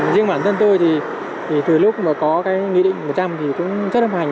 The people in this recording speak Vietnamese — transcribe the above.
riêng bản thân tôi thì từ lúc có cái nghị định một trăm linh thì cũng rất hấp hành